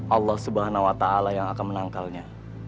allah subhanahu wa ta'ala yang akan menangkalnya